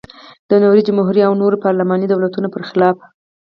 د نورو جمهوري او نورو پارلماني دولتونو پرخلاف.